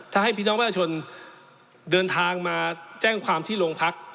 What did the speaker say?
ถ้าให้พี่น้องประชาชนเดินทางมาแจ้งความที่โรงพัก